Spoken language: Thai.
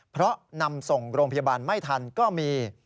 เพราะนำส่งโรงพยาบาลไม่ทันก็มี